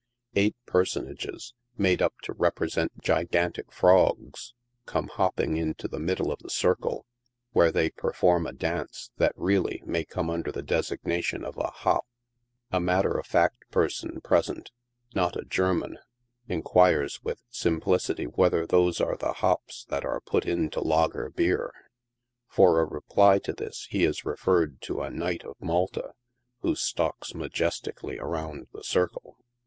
Eight personages, made up to represent gi gantic frogs, come hopping into the middle of the circle, where they perform a dance that really may come under the designation of a "hop." A matter of fact person present, not a German, inquires with simplicity whether those are the hops that are put into lager bier. For a reply to this he is referred to a Knight of Malta, who stalks majestically around the circle.